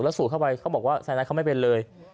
แล้วโสดเข้าไปเขาบอกว่าใส่ไหนเขาไม่เป็นเลย